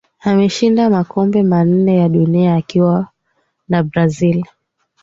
Ameshinda makombe manne ya dunia akiwa na Brazil